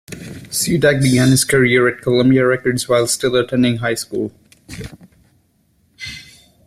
Sudack began his career at Columbia Records while still attending high school.